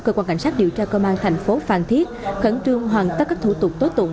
cơ quan cảnh sát điều tra công an thành phố phan thiết khẩn trương hoàn tất các thủ tục tố tụng